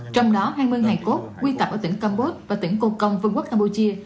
trong đó hai mươi hai cốt quy tập ở tỉnh campuchia và tỉnh cô công vương quốc campuchia